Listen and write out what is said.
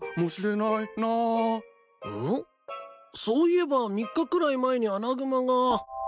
そういえば３日くらい前にアナグマが。